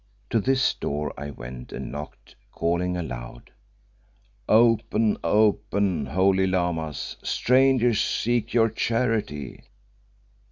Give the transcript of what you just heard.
To this door I went and knocked, calling aloud "Open! open, holy Lamas. Strangers seek your charity."